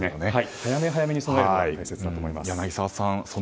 早めに備えることが大切だと思います。